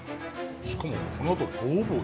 しかもこのあとボーボー。